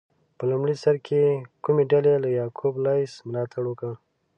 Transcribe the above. په لومړي سر کې کومې ډلې له یعقوب لیث ملاتړ وکړ؟